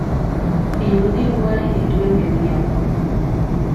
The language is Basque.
Pinudi ugari dituen mendia da.